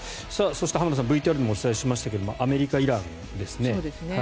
そして、浜田さんＶＴＲでもお伝えしましたがアメリカ、イランですね。